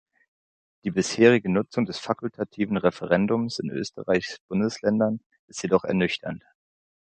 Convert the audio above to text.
Die bisherige Nutzung des fakultativen Referendums in Österreichs Bundesländern ist jedoch ernüchternd.